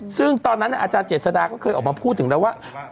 ซึ่งตอนนั้นอาจารย์เจษฎาก็เคยออกมาพูดถึงแล้วว่า